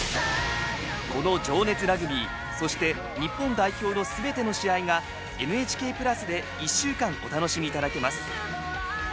この情熱ラグビーそして日本代表のすべての試合がＮＨＫプラスで１週間お楽しみいただけます。